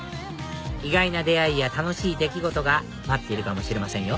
意外な出会いや楽しい出来事が待っているかもしれませんよ